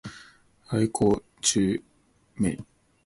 我想化個淡妝